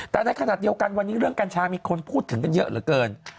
แต่ในขณะเดียวกันวันนี้เรื่องกัญชามีคนพูดถึงกันเยอะเหลือเกิน